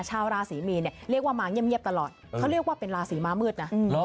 ชาวราศรีมีนเนี่ยเรียกว่ามาเงียบตลอดเขาเรียกว่าเป็นราศีม้ามืดนะ